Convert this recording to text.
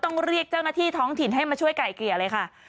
ต้องเรียกเจ้าหน้าที่ท้องถิ่นให้มาช่วยไก่เกลี่ยเลยค่ะ